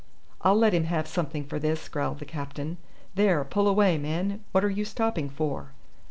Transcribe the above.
"I'll let him have something for this," growled the captain. "There, pull away, men. What are you stopping for?"